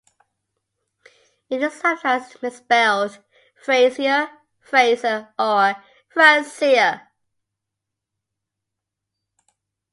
It is sometimes misspelled "Frasier," "Frazer" or "Frazier.